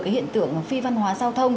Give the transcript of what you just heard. cái hiện tượng phi văn hóa giao thông